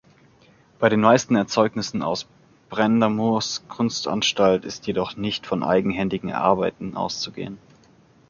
Bei den meisten Erzeugnissen aus Brend’amours Kunstanstalt ist jedoch nicht von eigenhändigen Arbeiten auszugehen.